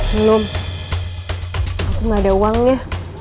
belum aku nggak ada uangnya